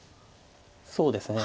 そうですね。